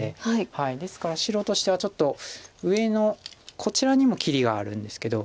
ですから白としてはちょっと上のこちらにも切りがあるんですけど。